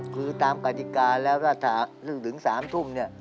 คือตามกฎิกาแล้วถ้าถึง๓ทุ่มเนี่ย